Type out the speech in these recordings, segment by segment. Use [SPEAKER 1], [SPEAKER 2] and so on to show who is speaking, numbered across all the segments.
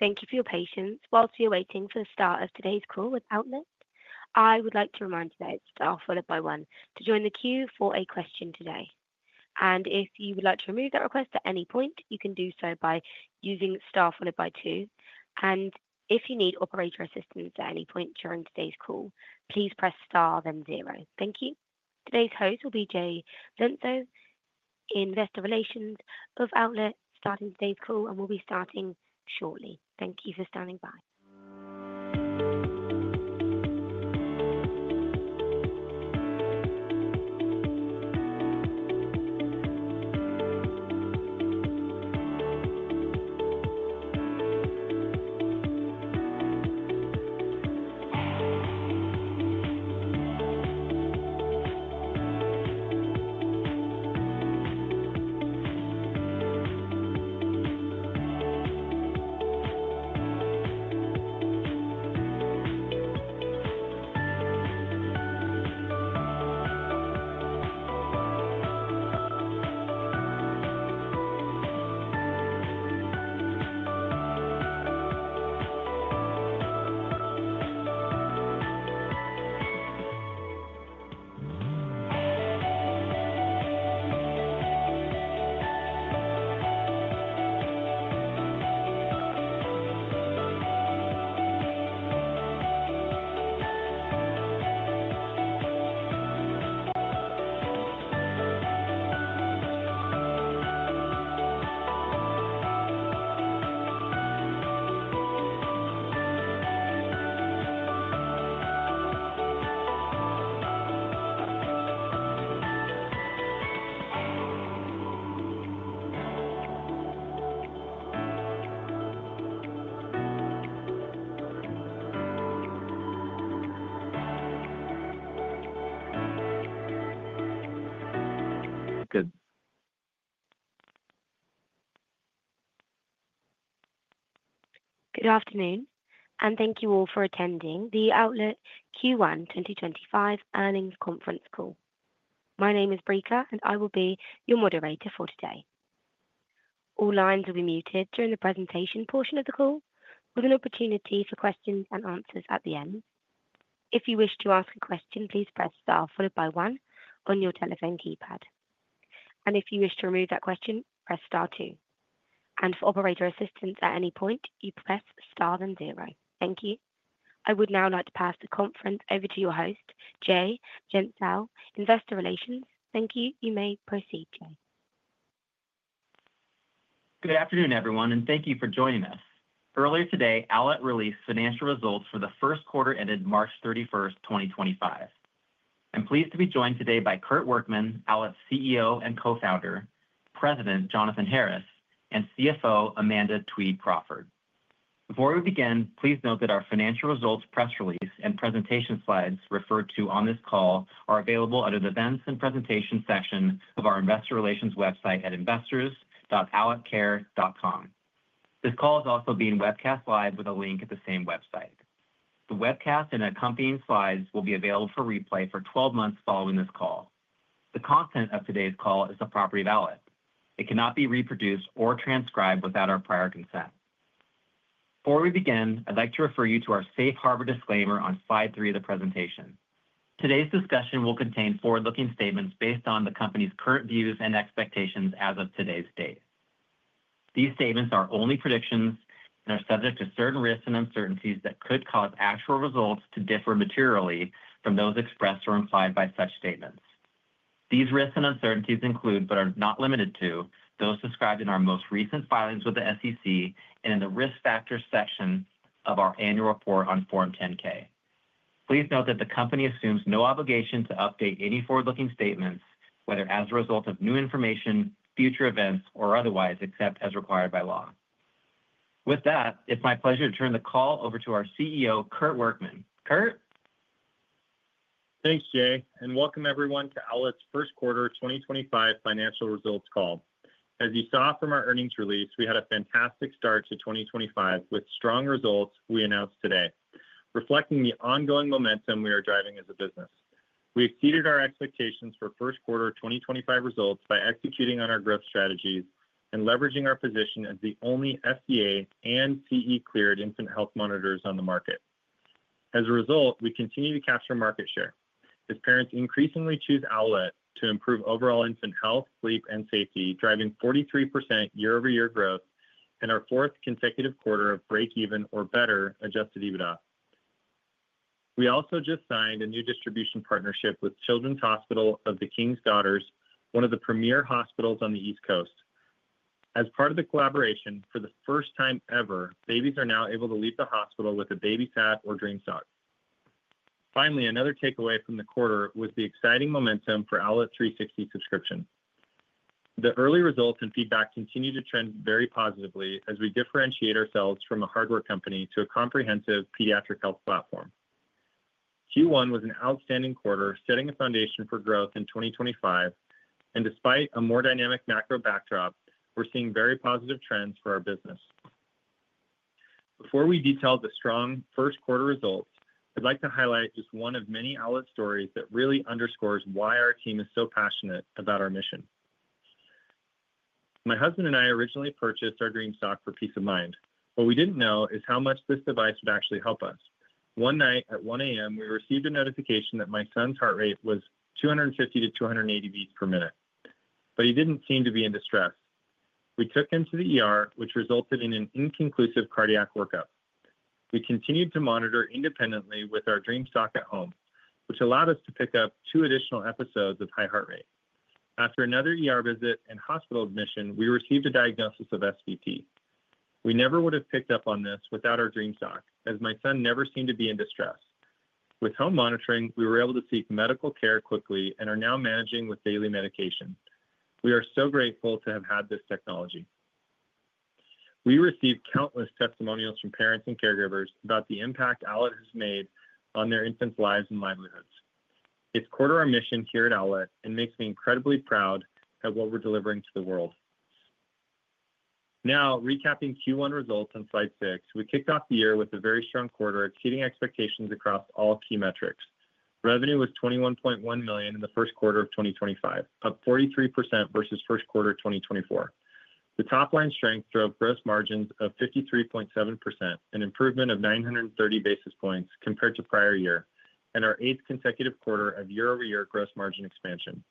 [SPEAKER 1] Thank you for your patience while you're waiting for the start of today's call with Owlet. I would like to remind you that it's star followed by one to join the queue for a question today. If you would like to remove that request at any point, you can do so by using star followed by two. If you need operator assistance at any point during today's call, please press star, then zero. Thank you. Today's host will be Jay Gentzkow in investor relations of Owlet, starting today's call, and we'll be starting shortly. Thank you for standing by.
[SPEAKER 2] Good.
[SPEAKER 1] Good afternoon, and thank you all for attending the Owlet's Q1 2025 earnings conference call. My name is Breaker, and I will be your moderator for today. All lines will be muted during the presentation portion of the call, with an opportunity for questions and answers at the end. If you wish to ask a question, please press star followed by one on your telephone keypad. If you wish to remove that question, press star two. For operator assistance at any point, you press star then zero. Thank you. I would now like to pass the conference over to your host, Jay Gentzkow, Investor Relations. Thank you. You may proceed, Jay.
[SPEAKER 3] Good afternoon, everyone, and thank you for joining us. Earlier today, Owlet released financial results for the first quarter ended March 31, 2025. I'm pleased to be joined today by Kurt Workman, Owlet CEO and co-founder, President Jonathan Harris, and CFO Amanda Twede Crawford. Before we begin, please note that our financial results, press release, and presentation slides referred to on this call are available under the events and presentation section of our investor relations website at investors.owletcare.com. This call is also being webcast live with a link at the same website. The webcast and accompanying slides will be available for replay for 12 months following this call. The content of today's call is the property of Owlet. It cannot be reproduced or transcribed without our prior consent. Before we begin, I'd like to refer you to our safe harbor disclaimer on slide three of the presentation. Today's discussion will contain forward-looking statements based on the company's current views and expectations as of today's date. These statements are only predictions and are subject to certain risks and uncertainties that could cause actual results to differ materially from those expressed or implied by such statements. These risks and uncertainties include, but are not limited to, those described in our most recent filings with the SEC and in the risk factors section of our annual report on Form 10-K. Please note that the company assumes no obligation to update any forward-looking statements, whether as a result of new information, future events, or otherwise, except as required by law. With that, it's my pleasure to turn the call over to our CEO, Kurt Workman. Kurt?
[SPEAKER 4] Thanks, Jay. Welcome, everyone, to Owlet's first quarter 2025 financial results call. As you saw from our earnings release, we had a fantastic start to 2025 with strong results we announced today, reflecting the ongoing momentum we are driving as a business. We exceeded our expectations for first quarter 2025 results by executing on our growth strategies and leveraging our position as the only FDA- and CE-cleared infant health monitors on the market. As a result, we continue to capture market share as parents increasingly choose Owlet to improve overall infant health, sleep, and safety, driving 43% year-over-year growth and our fourth consecutive quarter of break-even or better adjusted EBITDA. We also just signed a new distribution partnership with Children's Hospital of the King's Daughters, one of the premier hospitals on the East Coast. As part of the collaboration, for the first time ever, babies are now able to leave the hospital with a BabySat or Dream Sock. Finally, another takeaway from the quarter was the exciting momentum for Owlet360 subscription. The early results and feedback continue to trend very positively as we differentiate ourselves from a hardware company to a comprehensive pediatric health platform. Q1 was an outstanding quarter, setting a foundation for growth in 2025. Despite a more dynamic macro backdrop, we're seeing very positive trends for our business. Before we detail the strong first quarter results, I'd like to highlight just one of many Owlet stories that really underscores why our team is so passionate about our mission. My husband and I originally purchased our Dream Sock for peace of mind. What we didn't know is how much this device would actually help us. One night at 1:00 A.M., we received a notification that my son's heart rate was 250-280 beats per minute, but he didn't seem to be in distress. We took him to the ER, which resulted in an inconclusive cardiac workup. We continued to monitor independently with our Dream Sock at home, which allowed us to pick up two additional episodes of high heart rate. After another ER visit and hospital admission, we received a diagnosis of SVT. We never would have picked up on this without our Dream Sock, as my son never seemed to be in distress. With home monitoring, we were able to seek medical care quickly and are now managing with daily medication. We are so grateful to have had this technology. We received countless testimonials from parents and caregivers about the impact Owlet has made on their infants' lives and livelihoods. It's core to our mission here at Owlet and makes me incredibly proud at what we're delivering to the world. Now, recapping Q1 results on slide six, we kicked off the year with a very strong quarter, exceeding expectations across all key metrics. Revenue was $21.1 million in the first quarter of 2025, up 43% versus first quarter 2024. The top line strength drove gross margins of 53.7%, an improvement of 930 basis points compared to prior year, and our eighth consecutive quarter of year-over-year gross margin expansion.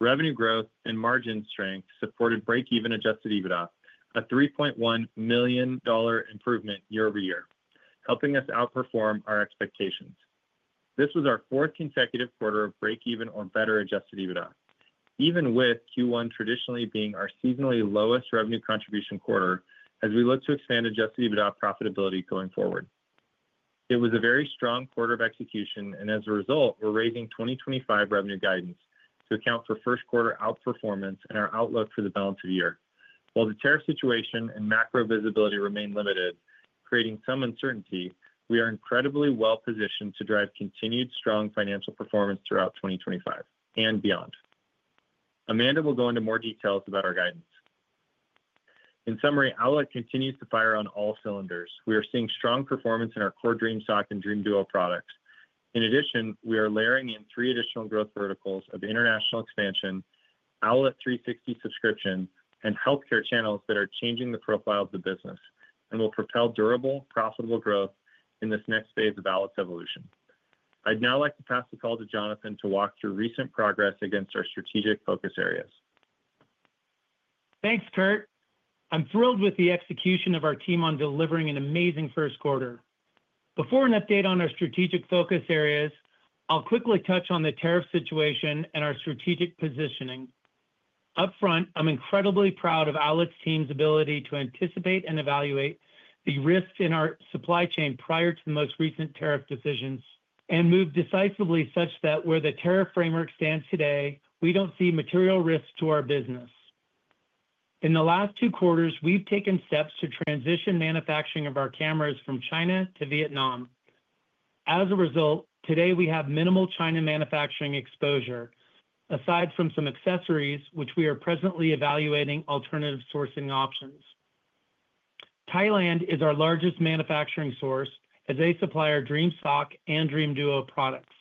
[SPEAKER 4] Revenue growth and margin strength supported break-even adjusted EBITDA, a $3.1 million improvement year-over-year, helping us outperform our expectations. This was our fourth consecutive quarter of break-even or better adjusted EBITDA, even with Q1 traditionally being our seasonally lowest revenue contribution quarter as we look to expand adjusted EBITDA profitability going forward. It was a very strong quarter of execution, and as a result, we're raising 2025 revenue guidance to account for first quarter outperformance and our outlook for the balance of the year. While the tariff situation and macro visibility remain limited, creating some uncertainty, we are incredibly well positioned to drive continued strong financial performance throughout 2025 and beyond. Amanda will go into more details about our guidance. In summary, Outlook continues to fire on all cylinders. We are seeing strong performance in our core Dream Sock and Dream Duo products. In addition, we are layering in three additional growth verticals of international expansion, Owlet360 subscription, and healthcare channels that are changing the profile of the business and will propel durable, profitable growth in this next phase of Owlet's evolution. I'd now like to pass the call to Jonathan to walk through recent progress against our strategic focus areas.
[SPEAKER 5] Thanks, Kurt. I'm thrilled with the execution of our team on delivering an amazing first quarter. Before an update on our strategic focus areas, I'll quickly touch on the tariff situation and our strategic positioning. Upfront, I'm incredibly proud of Owlet's team's ability to anticipate and evaluate the risks in our supply chain prior to the most recent tariff decisions and move decisively such that where the tariff framework stands today, we don't see material risks to our business. In the last two quarters, we've taken steps to transition manufacturing of our cameras from China to Vietnam. As a result, today we have minimal China manufacturing exposure, aside from some accessories, which we are presently evaluating alternative sourcing options. Thailand is our largest manufacturing source as they supply our Dream Sock and Dream Duo products.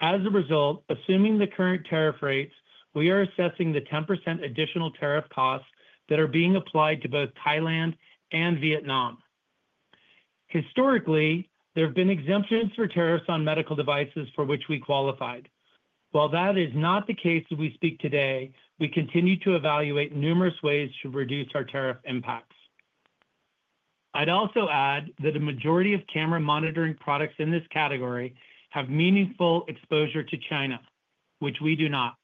[SPEAKER 5] As a result, assuming the current tariff rates, we are assessing the 10% additional tariff costs that are being applied to both Thailand and Vietnam. Historically, there have been exemptions for tariffs on medical devices for which we qualified. While that is not the case as we speak today, we continue to evaluate numerous ways to reduce our tariff impacts. I'd also add that a majority of camera monitoring products in this category have meaningful exposure to China, which we do not.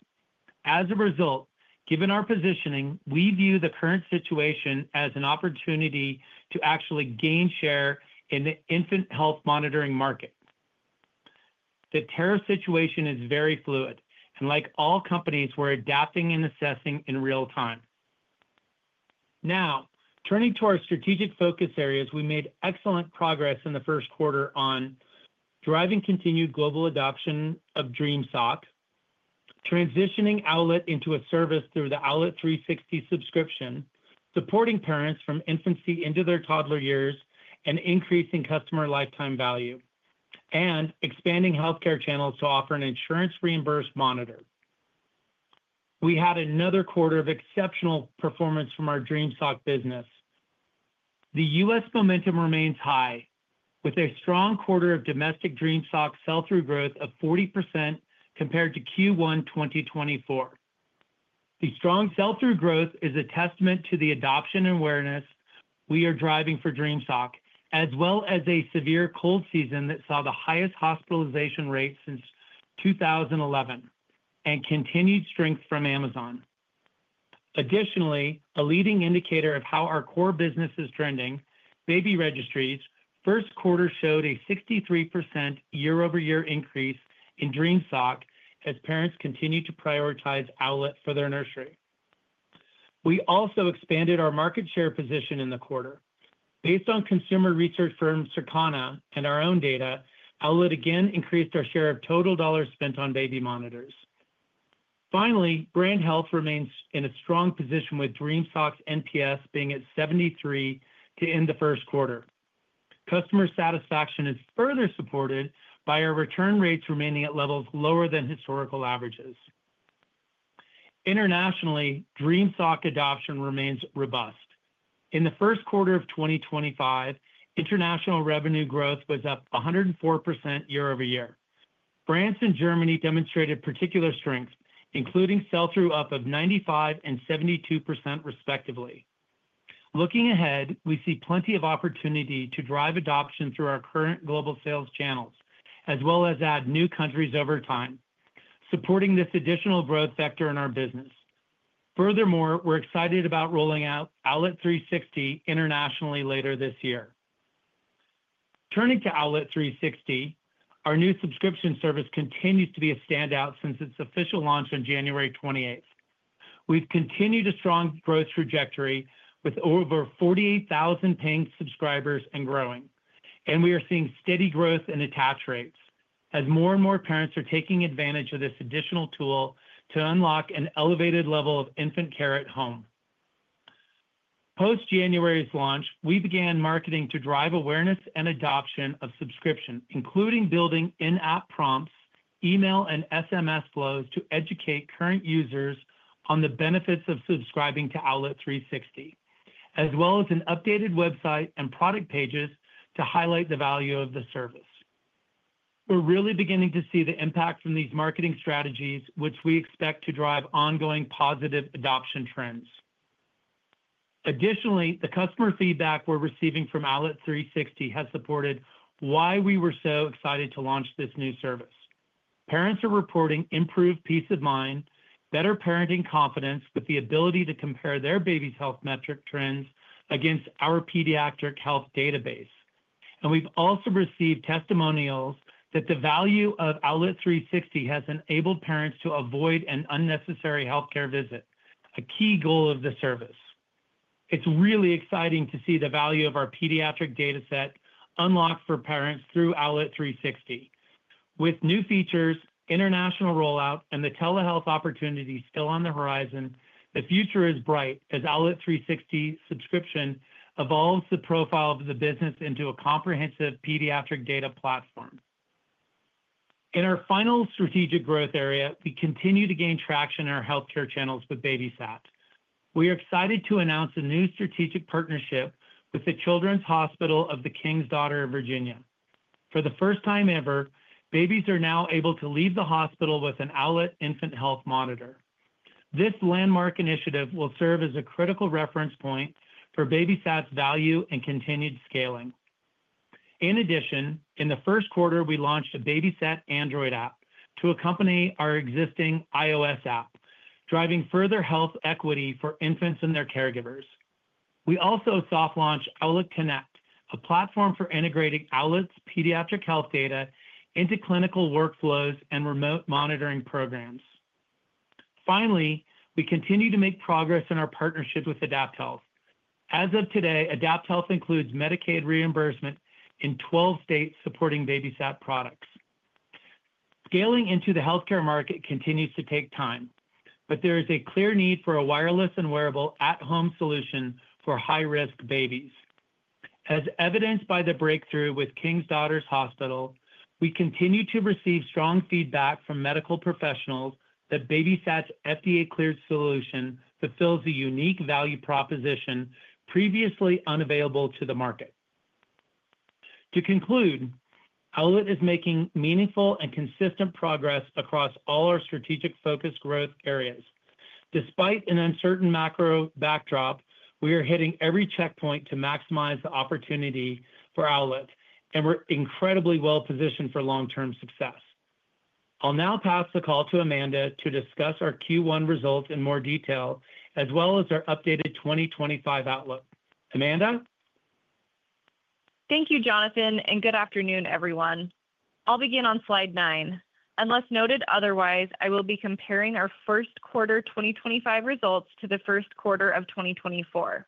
[SPEAKER 5] As a result, given our positioning, we view the current situation as an opportunity to actually gain share in the infant health monitoring market. The tariff situation is very fluid, and like all companies, we're adapting and assessing in real time. Now, turning to our strategic focus areas, we made excellent progress in the first quarter on driving continued global adoption of Dream Sock, transitioning Owlet into a service through the Owlet360 subscription, supporting parents from infancy into their toddler years, and increasing customer lifetime value, and expanding healthcare channels to offer an insurance reimbursed monitor. We had another quarter of exceptional performance from our Dream Sock business. The U.S. momentum remains high, with a strong quarter of domestic Dream Sock sell-through growth of 40% compared to Q1 2024. The strong sell-through growth is a testament to the adoption and awareness we are driving for Dream Sock, as well as a severe cold season that saw the highest hospitalization rate since 2011 and continued strength from Amazon. Additionally, a leading indicator of how our core business is trending, baby registries, first quarter showed a 63% year-over-year increase in Dream Sock as parents continue to prioritize Owlet for their nursery. We also expanded our market share position in the quarter. Based on consumer research firm Circana and our own data, Owlet again increased our share of total dollars spent on baby monitors. Finally, brand health remains in a strong position with Dream Sock's NPS being at 73 to end the first quarter. Customer satisfaction is further supported by our return rates remaining at levels lower than historical averages. Internationally, Dream Sock adoption remains robust. In the first quarter of 2025, international revenue growth was up 104% year-over-year. France and Germany demonstrated particular strength, including sell-through up of 95% and 72% respectively. Looking ahead, we see plenty of opportunity to drive adoption through our current global sales channels, as well as add new countries over time, supporting this additional growth vector in our business. Furthermore, we're excited about rolling out Owlet360 internationally later this year. Turning to Owlet360, our new subscription service continues to be a standout since its official launch on January 28th. We've continued a strong growth trajectory with over 48,000 paying subscribers and growing, and we are seeing steady growth in attach rates as more and more parents are taking advantage of this additional tool to unlock an elevated level of infant care at home. Post January's launch, we began marketing to drive awareness and adoption of subscription, including building in-app prompts, email, and SMS flows to educate current users on the benefits of subscribing to Owlet360, as well as an updated website and product pages to highlight the value of the service. We're really beginning to see the impact from these marketing strategies, which we expect to drive ongoing positive adoption trends. Additionally, the customer feedback we're receiving from Owlet360 has supported why we were so excited to launch this new service. Parents are reporting improved peace of mind, better parenting confidence with the ability to compare their baby's health metric trends against our pediatric health database. We've also received testimonials that the value of Owlet360 has enabled parents to avoid an unnecessary healthcare visit, a key goal of the service. It's really exciting to see the value of our pediatric dataset unlocked for parents through Owlet360. With new features, international rollout, and the telehealth opportunity still on the horizon, the future is bright as Owlet360 subscription evolves the profile of the business into a comprehensive pediatric data platform. In our final strategic growth area, we continue to gain traction in our healthcare channels with BabySat. We are excited to announce a new strategic partnership with the Children's Hospital of the King's Daughters of Virginia. For the first time ever, babies are now able to leave the hospital with an Owlet infant health monitor. This landmark initiative will serve as a critical reference point for BabySat's value and continued scaling. In addition, in the first quarter, we launched a BabySat Android app to accompany our existing iOS app, driving further health equity for infants and their caregivers. We also soft launched Owlet Connect, a platform for integrating Owlet's pediatric health data into clinical workflows and remote monitoring programs. Finally, we continue to make progress in our partnership with AdaptHealth. As of today, AdaptHealth includes Medicaid reimbursement in 12 states supporting BabySat products. Scaling into the healthcare market continues to take time, but there is a clear need for a wireless and wearable at-home solution for high-risk babies. As evidenced by the breakthrough with Children's Hospital of the King's Daughters, we continue to receive strong feedback from medical professionals that BabySat's FDA-cleared solution fulfills a unique value proposition previously unavailable to the market. To conclude, Owlet is making meaningful and consistent progress across all our strategic focus growth areas. Despite an uncertain macro backdrop, we are hitting every checkpoint to maximize the opportunity for Owlet, and we're incredibly well positioned for long-term success. I'll now pass the call to Amanda to discuss our Q1 results in more detail, as well as our updated 2025 outlook. Amanda?
[SPEAKER 6] Thank you, Jonathan, and good afternoon, everyone. I'll begin on slide nine. Unless noted otherwise, I will be comparing our first quarter 2025 results to the first quarter of 2024.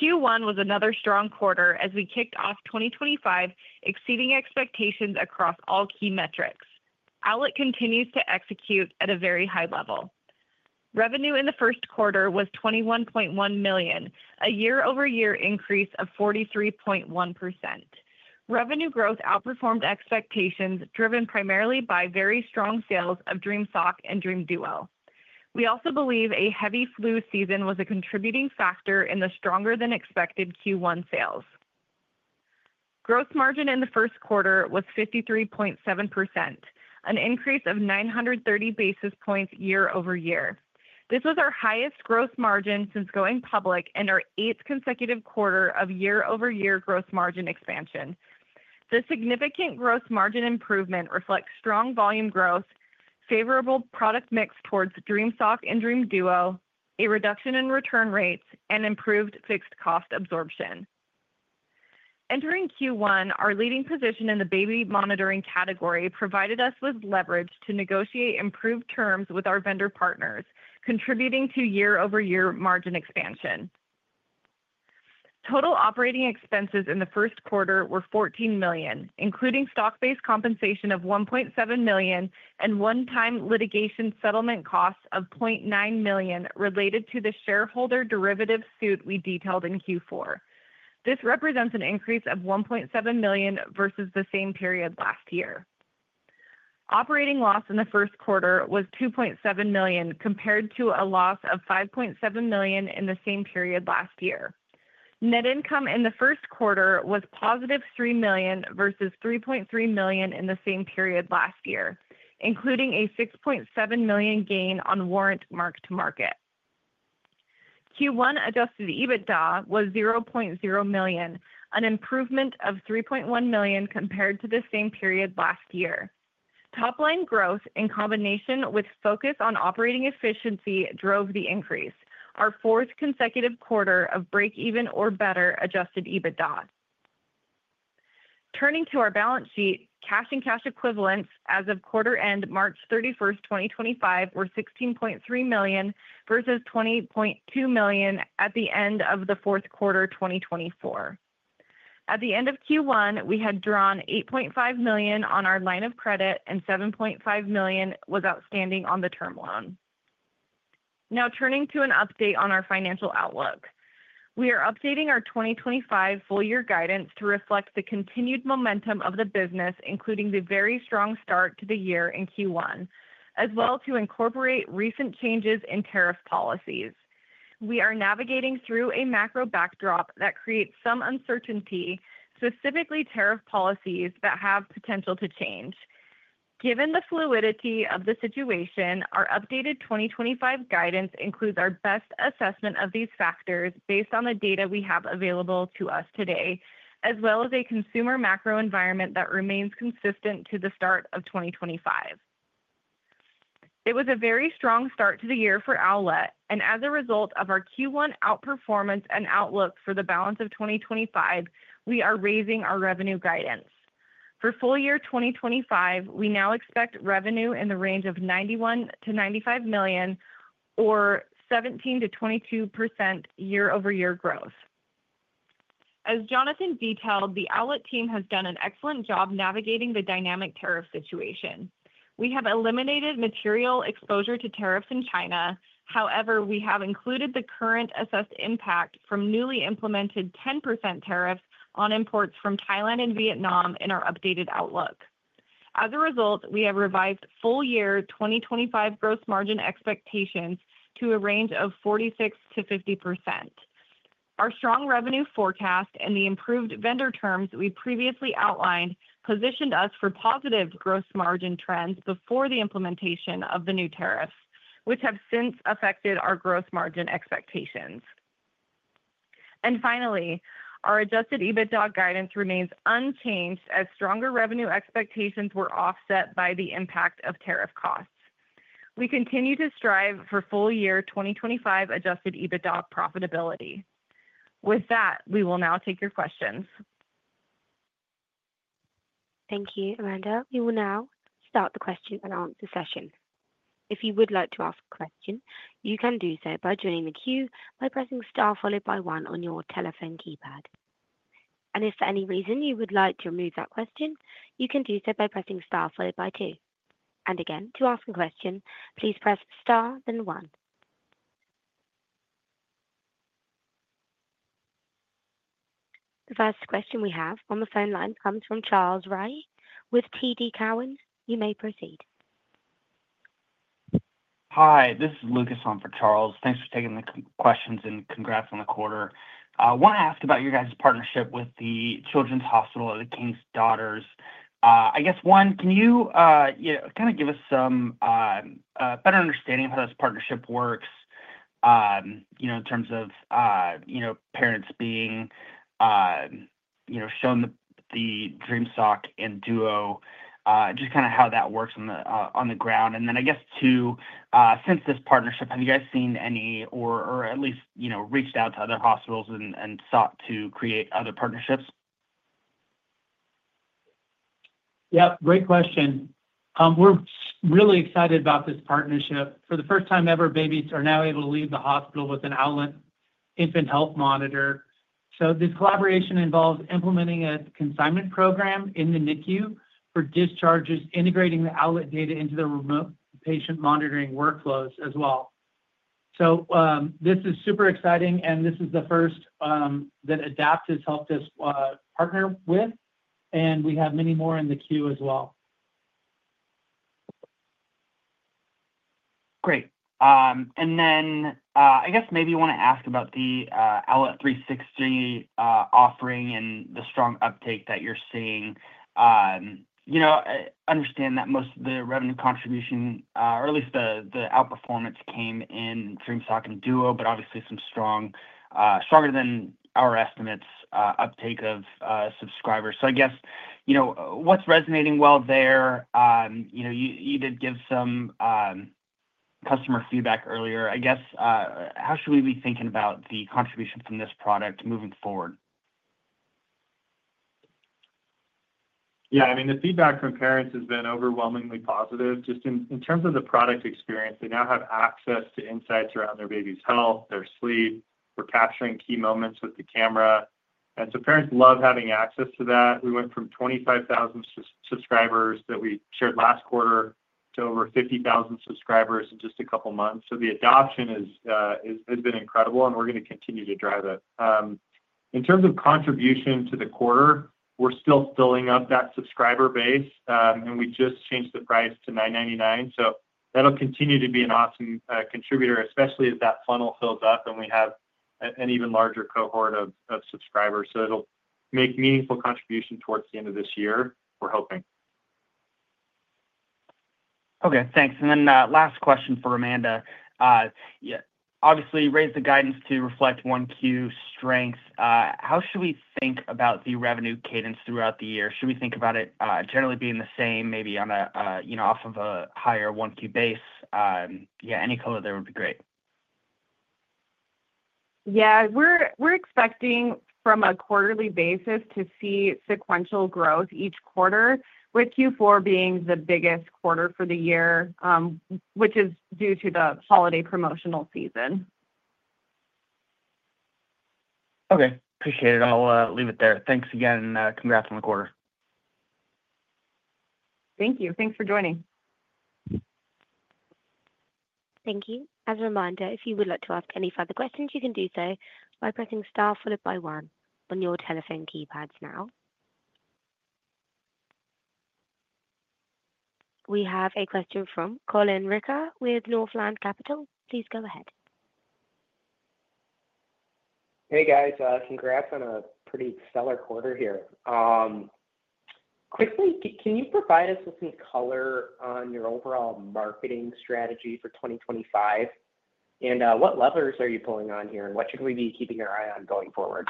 [SPEAKER 6] Q1 was another strong quarter as we kicked off 2025 exceeding expectations across all key metrics. Owlet continues to execute at a very high level. Revenue in the first quarter was $21.1 million, a year-over-year increase of 43.1%. Revenue growth outperformed expectations, driven primarily by very strong sales of Dream Sock and Dream Duo. We also believe a heavy flu season was a contributing factor in the stronger-than-expected Q1 sales. Gross margin in the first quarter was 53.7%, an increase of 930 basis points year-over-year. This was our highest gross margin since going public and our eighth consecutive quarter of year-over-year gross margin expansion. This significant gross margin improvement reflects strong volume growth, favorable product mix towards Dream Sock and Dream Duo, a reduction in return rates, and improved fixed cost absorption. Entering Q1, our leading position in the baby monitoring category provided us with leverage to negotiate improved terms with our vendor partners, contributing to year-over-year margin expansion. Total operating expenses in the first quarter were $14 million, including stock-based compensation of $1.7 million and one-time litigation settlement costs of $0.9 million related to the shareholder derivative suit we detailed in Q4. This represents an increase of $1.7 million versus the same period last year. Operating loss in the first quarter was $2.7 million compared to a loss of $5.7 million in the same period last year. Net income in the first quarter was positive $3 million versus $3.3 million in the same period last year, including a $6.7 million gain on warrant mark-to-market. Q1 adjusted EBITDA was $0.0 million, an improvement of $3.1 million compared to the same period last year. Top-line growth in combination with focus on operating efficiency drove the increase, our fourth consecutive quarter of break-even or better adjusted EBITDA. Turning to our balance sheet, cash and cash equivalents as of quarter-end March 31, 2025, were $16.3 million versus $20.2 million at the end of the fourth quarter 2024. At the end of Q1, we had drawn $8.5 million on our line of credit, and $7.5 million was outstanding on the term loan. Now, turning to an update on our financial outlook, we are updating our 2025 full-year guidance to reflect the continued momentum of the business, including the very strong start to the year in Q1, as well as to incorporate recent changes in tariff policies. We are navigating through a macro backdrop that creates some uncertainty, specifically tariff policies that have potential to change. Given the fluidity of the situation, our updated 2025 guidance includes our best assessment of these factors based on the data we have available to us today, as well as a consumer macro environment that remains consistent to the start of 2025. It was a very strong start to the year for Owlet, and as a result of our Q1 outperformance and outlook for the balance of 2025, we are raising our revenue guidance. For full-year 2025, we now expect revenue in the range of $91 million-$95 million or 17%-22% year-over-year growth. As Jonathan detailed, the Owlet team has done an excellent job navigating the dynamic tariff situation. We have eliminated material exposure to tariffs in China. However, we have included the current assessed impact from newly implemented 10% tariffs on imports from Thailand and Vietnam in our updated outlook. As a result, we have revised full-year 2025 gross margin expectations to a range of 46%-50%. Our strong revenue forecast and the improved vendor terms we previously outlined positioned us for positive gross margin trends before the implementation of the new tariffs, which have since affected our gross margin expectations. Finally, our adjusted EBITDA guidance remains unchanged as stronger revenue expectations were offset by the impact of tariff costs. We continue to strive for full-year 2025 adjusted EBITDA profitability. With that, we will now take your questions.
[SPEAKER 1] Thank you, Amanda. We will now start the question and answer session. If you would like to ask a question, you can do so by joining the queue by pressing star followed by one on your telephone keypad. If for any reason you would like to remove that question, you can do so by pressing star followed by two. To ask a question, please press star, then one. The first question we have on the phone line comes from Charles Rhyee with TD Cowen. You may proceed.
[SPEAKER 7] Hi, this is Lucas from Charles. Thanks for taking the questions and congrats on the quarter. I want to ask about your guys' partnership with the Children's Hospital of the King's Daughters. I guess, one, can you kind of give us some better understanding of how this partnership works in terms of parents being shown the Dream Sock and Dream Duo, just kind of how that works on the ground? I guess, two, since this partnership, have you guys seen any or at least reached out to other hospitals and sought to create other partnerships?
[SPEAKER 5] Yep. Great question. We're really excited about this partnership. For the first time ever, babies are now able to leave the hospital with an Owlet infant health monitor. This collaboration involves implementing a consignment program in the NICU for discharges, integrating the Owlet data into the remote patient monitoring workflows as well. This is super exciting, and this is the first that AdaptHealth has helped us partner with, and we have many more in the queue as well.
[SPEAKER 7] Great. I guess maybe you want to ask about the Owlet360 offering and the strong uptake that you're seeing. I understand that most of the revenue contribution, or at least the outperformance, came in Dream Sock and Dream Duo, but obviously some stronger-than-our-estimates uptake of subscribers. I guess what's resonating well there? You did give some customer feedback earlier. I guess how should we be thinking about the contribution from this product moving forward?
[SPEAKER 4] Yeah. I mean, the feedback from parents has been overwhelmingly positive. Just in terms of the product experience, they now have access to insights around their baby's health, their sleep. We're capturing key moments with the camera. Parents love having access to that. We went from 25,000 subscribers that we shared last quarter to over 50,000 subscribers in just a couple of months. The adoption has been incredible, and we're going to continue to drive it. In terms of contribution to the quarter, we're still filling up that subscriber base, and we just changed the price to $9.99. That will continue to be an awesome contributor, especially as that funnel fills up and we have an even larger cohort of subscribers. It will make meaningful contribution towards the end of this year, we're hoping.
[SPEAKER 7] Okay. Thanks. Then last question for Amanda. Obviously, raise the guidance to reflect 1Q strengths. How should we think about the revenue cadence throughout the year? Should we think about it generally being the same, maybe off of a higher 1Q base? Yeah, any color there would be great.
[SPEAKER 6] Yeah. We're expecting from a quarterly basis to see sequential growth each quarter, with Q4 being the biggest quarter for the year, which is due to the holiday promotional season.
[SPEAKER 7] Okay. Appreciate it. I'll leave it there. Thanks again, and congrats on the quarter.
[SPEAKER 6] Thank you. Thanks for joining.
[SPEAKER 1] Thank you. As a reminder, if you would like to ask any further questions, you can do so by pressing star followed by one on your telephone keypads now. We have a question from Colin Ricker with Northland Capital. Please go ahead.
[SPEAKER 8] Hey, guys. Congrats on a pretty stellar quarter here. Quickly, can you provide us with some color on your overall marketing strategy for 2025? What levers are you pulling on here, and what should we be keeping our eye on going forward?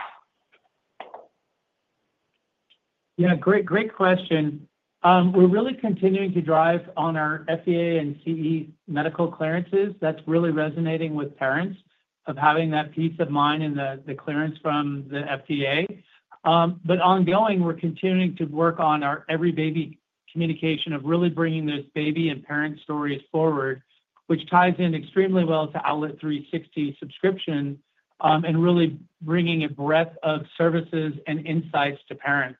[SPEAKER 5] Yeah. Great question. We're really continuing to drive on our FDA and CE medical clearances. That's really resonating with parents of having that peace of mind and the clearance from the FDA. Ongoing, we're continuing to work on our every baby communication of really bringing those baby and parent stories forward, which ties in extremely well to Owlet360 subscription and really bringing a breadth of services and insights to parents.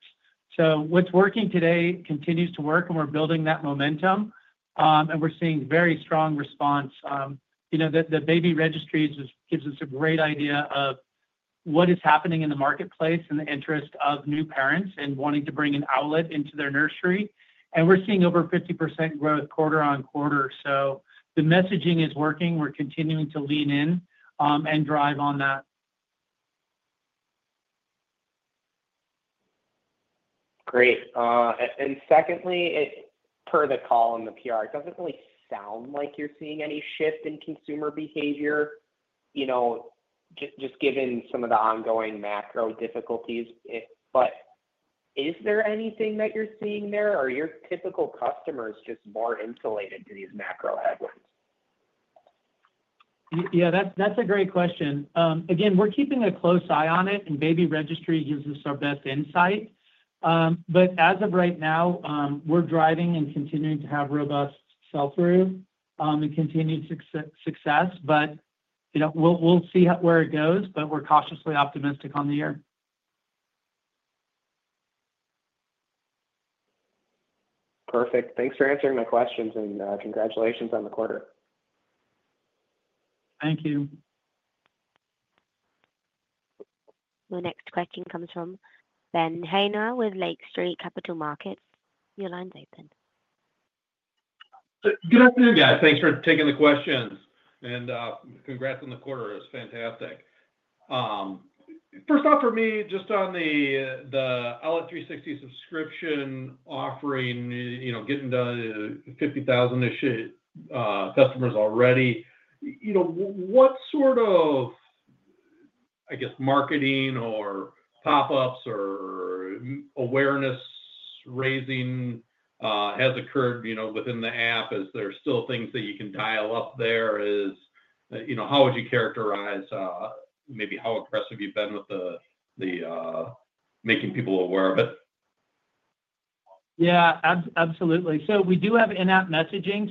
[SPEAKER 5] What's working today continues to work, and we're building that momentum, and we're seeing very strong response. The baby registries give us a great idea of what is happening in the marketplace and the interest of new parents and wanting to bring an Owlet into their nursery. We're seeing over 50% growth quarter-on-quarter. The messaging is working. We're continuing to lean in and drive on that.
[SPEAKER 8] Great. Secondly, per the call and the PR, it does not really sound like you are seeing any shift in consumer behavior, just given some of the ongoing macro difficulties. Is there anything that you are seeing there, or are your typical customers just more insulated to these macro headwinds?
[SPEAKER 5] Yeah, that's a great question. Again, we're keeping a close eye on it, and baby registry gives us our best insight. As of right now, we're driving and continuing to have robust sell-through and continued success. We'll see where it goes, but we're cautiously optimistic on the year.
[SPEAKER 8] Perfect. Thanks for answering my questions, and congratulations on the quarter.
[SPEAKER 5] Thank you.
[SPEAKER 1] The next question comes from Ben Haynor with Lake Street Capital Markets. Your line's open.
[SPEAKER 9] Good afternoon, guys. Thanks for taking the questions, and congrats on the quarter. It's fantastic. First off, for me, just on the Owlet360 subscription offering, getting to 50,000-ish customers already, what sort of, I guess, marketing or pop-ups or awareness-raising has occurred within the app? Is there still things that you can dial up there? How would you characterize maybe how aggressive you've been with making people aware of it?
[SPEAKER 5] Yeah, absolutely. We do have in-app messaging.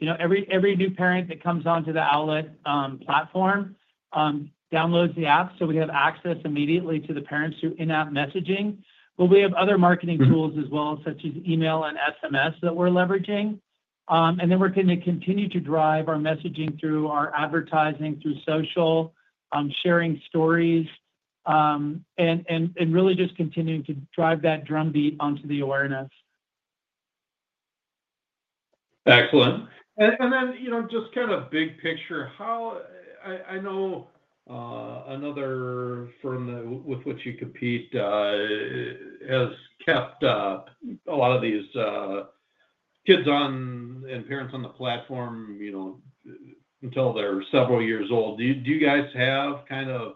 [SPEAKER 5] Every new parent that comes onto the Owlet platform downloads the app, so we have access immediately to the parents through in-app messaging. We have other marketing tools as well, such as email and SMS that we're leveraging. We are going to continue to drive our messaging through our advertising, through social, sharing stories, and really just continuing to drive that drumbeat onto the awareness.
[SPEAKER 9] Excellent. Just kind of big picture, I know another firm with which you compete has kept a lot of these kids and parents on the platform until they're several years old. Do you guys have kind of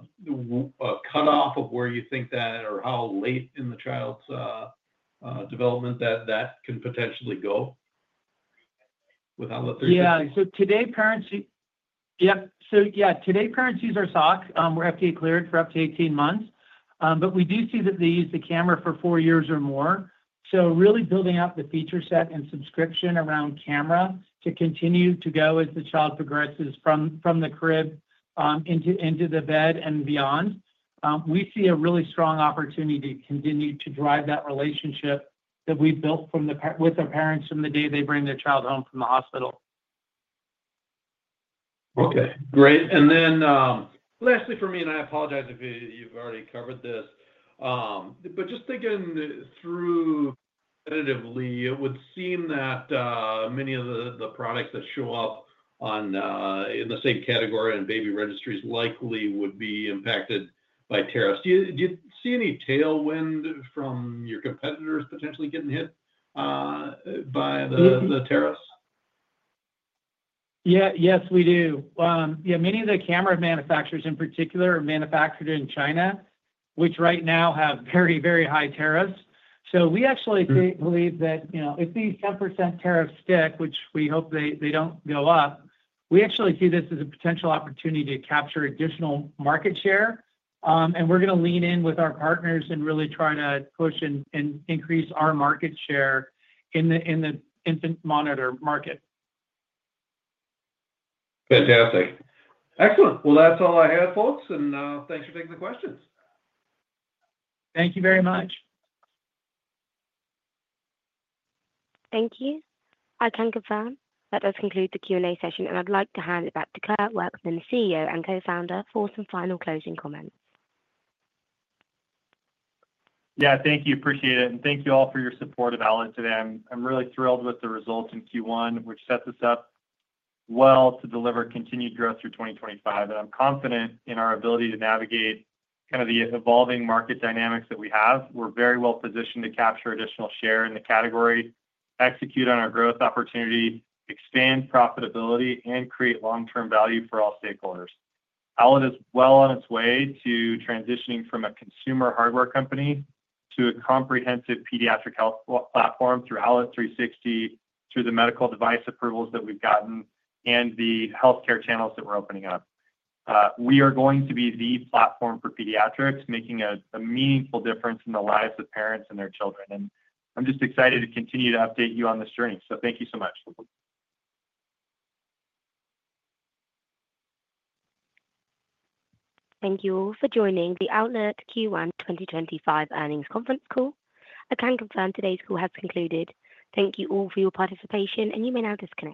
[SPEAKER 9] a cutoff of where you think that or how late in the child's development that that can potentially go with Owlet360?
[SPEAKER 5] Yeah. So today, parents—yeah. So today, parents use our sock. We're FDA cleared for up to 18 months. But we do see that they use the camera for four years or more. So really building out the feature set and subscription around camera to continue to go as the child progresses from the crib into the bed and beyond, we see a really strong opportunity to continue to drive that relationship that we've built with our parents from the day they bring their child home from the hospital.
[SPEAKER 9] Okay. Great. Lastly, for me—and I apologize if you've already covered this—but just thinking through competitively, it would seem that many of the products that show up in the same category in baby registries likely would be impacted by tariffs. Do you see any tailwind from your competitors potentially getting hit by the tariffs?
[SPEAKER 5] Yeah. Yes, we do. Yeah. Many of the camera manufacturers in particular are manufactured in China, which right now have very, very high tariffs. We actually believe that if these 10% tariffs stick, which we hope they don't go up, we actually see this as a potential opportunity to capture additional market share. We're going to lean in with our partners and really try to push and increase our market share in the infant monitor market.
[SPEAKER 9] Fantastic. Excellent. That is all I have, folks. Thanks for taking the questions.
[SPEAKER 5] Thank you very much.
[SPEAKER 1] Thank you. I can confirm that does conclude the Q&A session, and I'd like to hand it back to Kurt Workman, CEO and co-founder, for some final closing comments.
[SPEAKER 4] Yeah. Thank you. Appreciate it. Thank you all for your support of Owlet today. I'm really thrilled with the results in Q1, which set this up well to deliver continued growth through 2025. I'm confident in our ability to navigate kind of the evolving market dynamics that we have. We're very well positioned to capture additional share in the category, execute on our growth opportunity, expand profitability, and create long-term value for all stakeholders. Owlet is well on its way to transitioning from a consumer hardware company to a comprehensive pediatric health platform through Owlet360, through the medical device approvals that we've gotten, and the healthcare channels that we're opening up. We are going to be the platform for pediatrics, making a meaningful difference in the lives of parents and their children. I'm just excited to continue to update you on this journey. Thank you so much.
[SPEAKER 1] Thank you all for joining the Owlet's Q1 2025 earnings conference call. I can confirm today's call has concluded. Thank you all for your participation, and you may now disconnect.